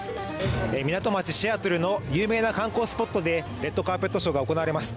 港町シアトルの有名な観光スポットでレッドカーペットショーが行われます。